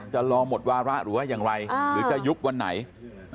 จะรอหมดวาระหรือว่าอย่างไรหรือจะยุบวันไหน